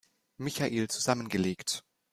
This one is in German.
Michael zusammengelegt.